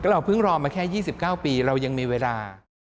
เราเพิ่งรอมาแค่๒๙ปีเรายังมีเวลา